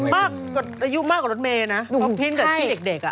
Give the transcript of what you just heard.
มันอายุมากกว่ารถเมย์นะต้องพิ้นกับพี่เด็กอะ